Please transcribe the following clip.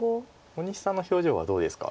大西さんの表情はどうですか？